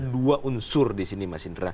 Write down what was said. dua unsur di sini mas indra